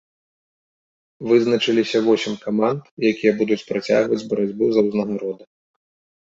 Вызначыліся восем каманд, якія будуць працягваць барацьбу за ўзнагароды.